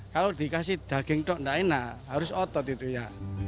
kalau dikasih daging dok tidak enak harus otot itu ya